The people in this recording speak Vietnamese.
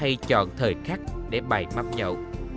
hay chọn thời khắc để bày mắm nhậu